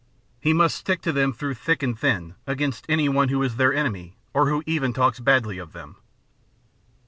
He must stick to them through thick and thin against any one who is their enemy or who even talks badly of them.